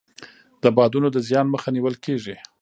د بادونو د زیان مخه نیول کیږي.